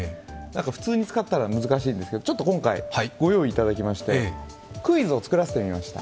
普通に使ったら難しいですけど、ちょっと今回、ご用意いただきまてクイズを作らせてみました。